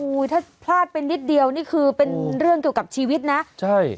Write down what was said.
ถ้าพลาดไปนิดเดียวนี่คือเป็นเรื่องเกี่ยวกับชีวิตนะใช่